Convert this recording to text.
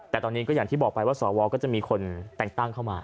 แต่ตอนนี้ก็อย่างที่บอกไปว่าสวก็จะมีคนแต่งตั้งเข้ามา